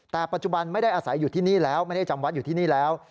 แต่ปัจจุบันไม่ได้อาศัยอยู่ที่นี่แล้วไม่ได้จำวัดอยู่ที่นี่แล้ว